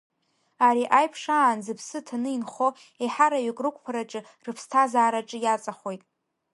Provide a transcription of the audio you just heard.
Ари аиԥш аан зыԥсы ҭаны инхо, еиҳараҩык рықәԥараҿы, рыԥсҭазаараҿы иаҵахоит.